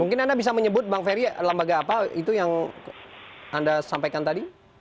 mungkin anda bisa menyebut bang ferry lembaga apa itu yang anda sampaikan tadi